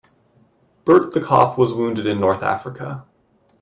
Bert the cop was wounded in North Africa.